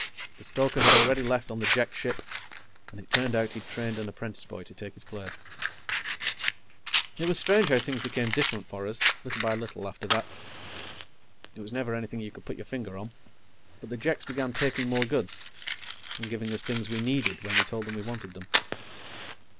The stoker had already left on the Jek ship, and it turned out he'd trained an apprentice boy to take his place. It was strange how things became different for us, little by little after that. It was never anything you could put your finger on, but the Jeks began taking more goods, and giving us things we needed when we told them we wanted them.